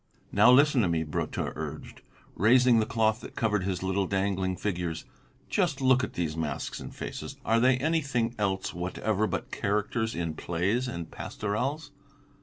"Now listen to me," Brotteaux urged, raising the cloth that covered his little dangling figures; "just look at these masks and faces, are they anything else whatever but characters in plays and pastorals?